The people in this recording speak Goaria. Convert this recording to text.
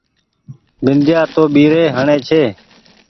بنديآ تو ٻيري هڻي ڇي۔